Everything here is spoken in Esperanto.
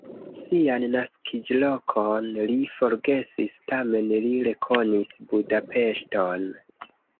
Sian naskiĝlokon li forgesis, tamen li rekonis Budapeŝton.